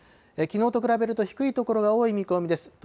きのうと比べると低い所が多い見込みです。